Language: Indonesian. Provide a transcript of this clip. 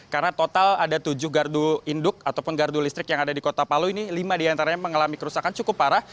karena total ada tujuh gardu induk ataupun gardu listrik yang ada di kota palu ini lima diantaranya mengalami kerusakan cukup parah